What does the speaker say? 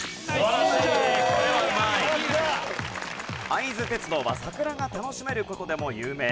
会津鉄道は桜が楽しめる事でも有名。